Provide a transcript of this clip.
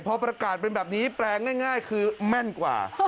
พอประกาศเป็นแบบนี้แปลงง่ายคือแม่นกว่า